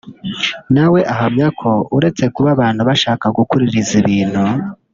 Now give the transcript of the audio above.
nawe ahamya ko uretse kuba abantu bashaka gukuririza ibintu